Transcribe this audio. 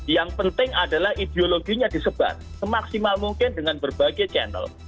yang penting adalah ideologinya disebar semaksimal mungkin dengan berbagai channel